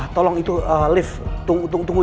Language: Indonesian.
tolong tolong semua pintu keluar